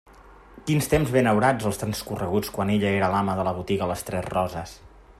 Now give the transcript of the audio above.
Quins temps benaurats els transcorreguts quan ella era l'ama de la botiga Les Tres Roses!